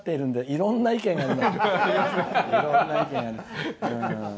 いろんな意見がある。